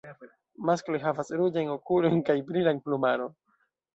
Maskloj havas ruĝajn okulojn kaj brilan plumaron.